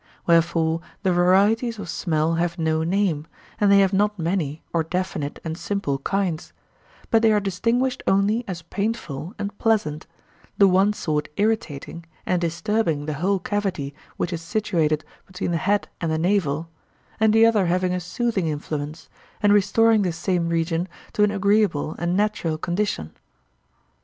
Wherefore the varieties of smell have no name, and they have not many, or definite and simple kinds; but they are distinguished only as painful and pleasant, the one sort irritating and disturbing the whole cavity which is situated between the head and the navel, the other having a soothing influence, and restoring this same region to an agreeable and natural condition.